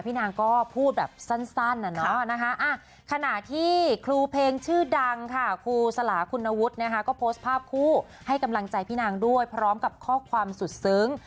นางก็พูดแบบสั้นขณะที่ครูเพลงชื่อดังค่ะครูสลาคุณวุฒินะคะก็โพสต์ภาพคู่ให้กำลังใจพี่นางด้วยพร้อมกับข้อความสุดซึ้ง